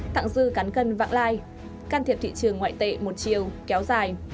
thặng dư cán cân vạng lai can thiệp thị trường ngoại tệ một chiều kéo dài